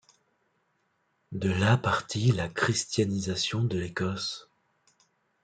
De là partit la christianisation de l'Écosse.